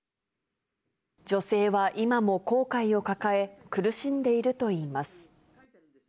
女性は今も後悔を抱え、苦しんでいるといいます。